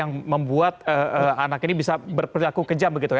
ternyata faktor yang membuat anak ini bisa berperilaku kejam